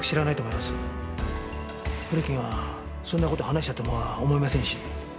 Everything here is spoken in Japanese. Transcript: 古木がそんな事を話したとは思えませんし。